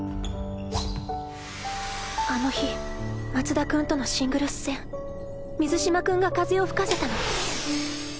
あの日松田君とのシングルス戦水嶋君が風を吹かせたの。